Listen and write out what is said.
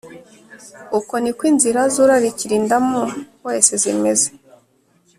uko ni ko inzira z’urarikira indamu wese zimeze,